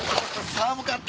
寒かった。